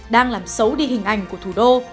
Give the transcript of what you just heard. đang làm xấu đi hình ảnh của thủ đô